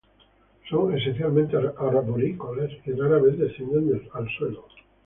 Son esencialmente arborícolas y rara vez descienden al suelo.